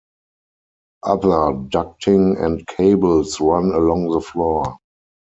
Other ducting and cables run along the floor.